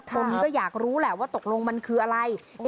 คนก็อยากรู้แหละว่าตกลงมันคืออะไร